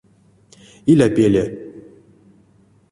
Иля пеле.